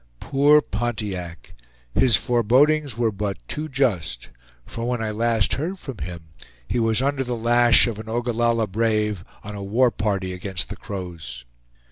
Poor Pontiac! his forebodings were but too just; for when I last heard from him, he was under the lash of an Ogallalla brave, on a war party against the Crows.